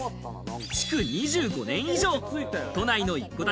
築２５年以上、都内の一戸建